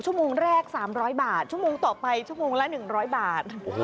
ชั่วโมงแรก๓๐๐บาทชั่วโมงต่อไปชั่วโมงละ๑๐๐บาท